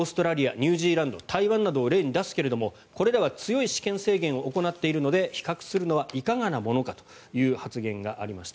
ニュージーランド台湾などを例に出すけれどもこれらは強い私権制限を行っているので比較するのはいかがなものかという発言がありました。